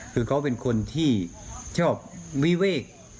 คือเขาเป็นคนที่ชอบวิเวก